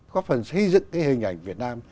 có phần xây dựng cái hình ảnh việt nam